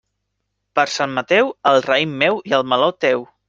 Per Sant Mateu, el raïm meu i el meló, teu.